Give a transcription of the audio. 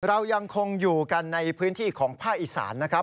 เรายังคงอยู่กันในพื้นที่ของภาคอีสานนะครับ